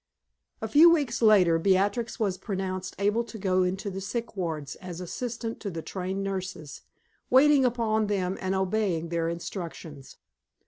A few weeks later Beatrix was pronounced able to go into the sick wards as assistant to the trained nurses, waiting upon them and obeying their instructions.